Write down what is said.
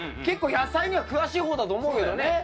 結構野菜には詳しい方だと思うけどね。